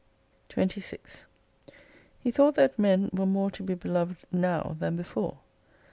R 257. 26 He thought that men were more to be beloved now than before.